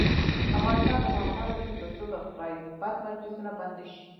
افغانستان تر هغو نه ابادیږي، ترڅو د غیبت مجلسونه بند نشي.